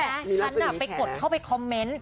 ฉันไปกดเข้าไปคอมเมนต์